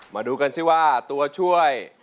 มาดูกันสิว่าตัวช่วย